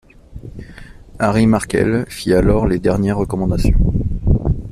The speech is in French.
Harry Markel fit alors les dernières recommandations.